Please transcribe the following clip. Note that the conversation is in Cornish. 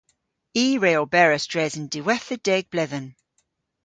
I re oberas dres an diwettha deg bledhen.